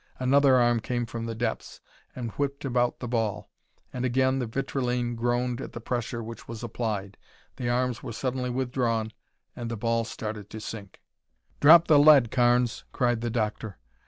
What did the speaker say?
Another arm came from the depths and whipped about the ball, and again the vitrilene groaned at the pressure which was applied. The arms were suddenly withdrawn and the ball started to sink. "Drop the lead, Carnes!" cried the doctor.